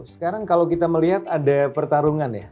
sekarang kalau kita melihat ada pertarungan ya